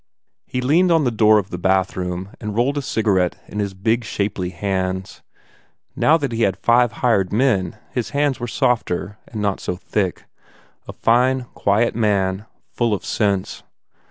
He leaned in the door of the bathroom and rolled a cigarette in his big, shapely hands. Now that he had five hired men his hands were softer and not so thick. A fine, quiet man, full of sense.